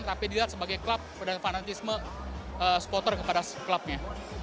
tapi dilihat sebagai klub dan fanatisme supporter kepada klubnya